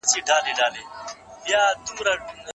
موږ به يوازي عادلانه پرېکړي وکړو.